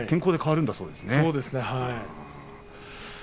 天候で変わるんだそうですね。